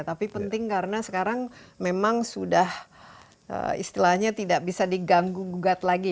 tapi penting karena sekarang memang sudah istilahnya tidak bisa diganggu gugat lagi